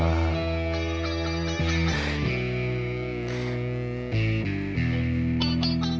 bukannya bapak melarang kamu untuk berdua